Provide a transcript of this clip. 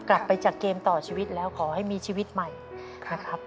กลับไปจากเกมต่อชีวิตแล้วขอให้มีชีวิตใหม่นะครับ